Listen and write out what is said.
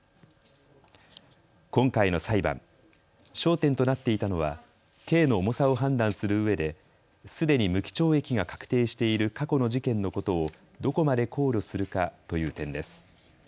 今回の裁判、焦点となっていたのは刑の重さを判断するうえですでに無期懲役が確定している過去の事件のことをどこまで考慮するかという点です。